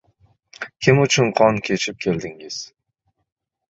Kim uchun qon kechib keldingiz?